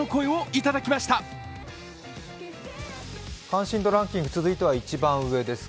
関心度ランキング続いては一番上です。